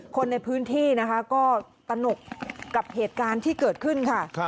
คนในพื้นที่นะคะก็ตนกกับเหตุการณ์ที่เกิดขึ้นค่ะ